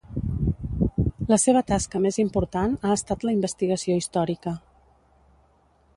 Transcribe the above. La seva tasca més important ha estat la investigació històrica.